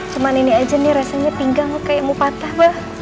cuma ini aja nih rasanya pinggang kayak mau patah bah